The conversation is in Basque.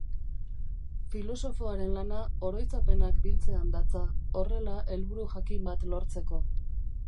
Filosofoaren lana oroitzapenak biltzean datza, horrela helburu jakin bat lortzeko.